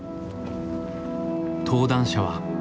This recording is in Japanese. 登壇者は。